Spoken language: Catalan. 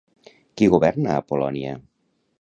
Qui governa a Polònia?